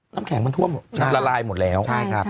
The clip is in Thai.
น้ำแข็งมันท่วมละลายหมดแล้ว